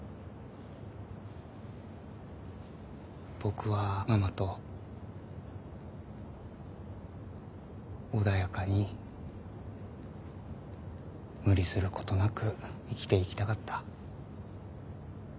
僕はママと穏やかに無理することなく生きていきたかった。